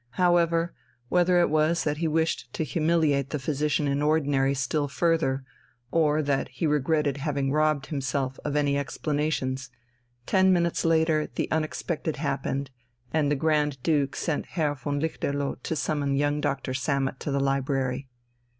However, whether it was that he wished to humiliate the Physician in Ordinary still further, or that he regretted having robbed himself of any explanations ten minutes later the unexpected happened, and the Grand Duke sent Herr von Lichterloh to summon young Doctor Sammet to the library.